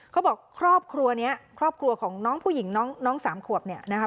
ครอบครัวนี้ครอบครัวของน้องผู้หญิงน้องสามขวบเนี่ยนะคะ